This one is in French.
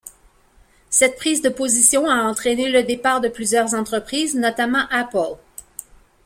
Cette prise de position a entrainé le départ de plusieurs entreprises, notamment Apple.